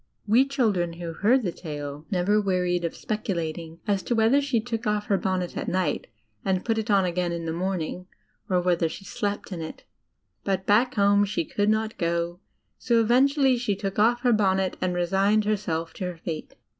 We children who heard the tale never wearied of speculating as to whether she took off her bonnet at night and put it on again in the morning, or whether she slept in it. But back home she could not go, so eventually she took off her bonnet and resigned herself to her fate.